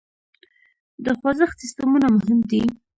د خوزښت سیسټمونه مهم دي.